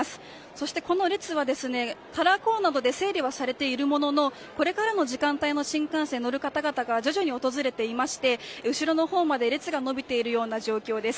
そして、この列はカラーコーンなどで整理はされているもののこれからの時間帯の新幹線に乗る方々が徐々に訪れていて後ろのほうまで列が延びている状況です。